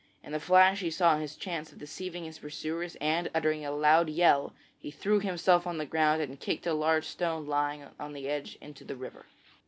In a flash he saw his chance of deceiving his pursuers and, uttering a loud yell, he threw himself on the ground and kicked a large stone lying on the edge into the river.